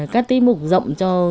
các tí mục rậm cho